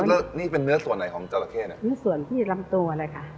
แล้วนี่เป็นเนื้อส่วนไหนของจราเข้น่ะเนื้อส่วนที่ลำตัวเลยค่ะ